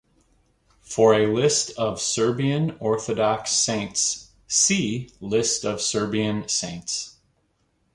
For a list of Serbian Orthodox saints, see List of Serbian saints.